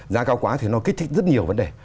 giá cao quá thì nó kích thích rất nhiều vấn đề